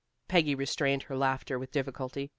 Peggy restrained her laughter with difficulty.